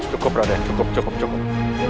cukup raden cukup cukup cukup